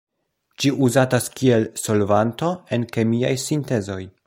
Ĝi uzatas kiel solvanto en kemiaj sintezoj.